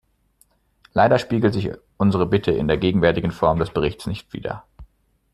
Leider spiegelt sich unsere Bitte in der gegenwärtigen Form des Berichts nicht wider.